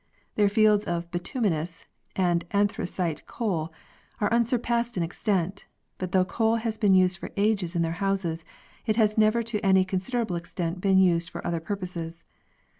Their fields of bituminous and anthracite coal are unsurpassed in extent, but though coal has been used for ages in their houses, it has never to any consider able extent been used for other purposes.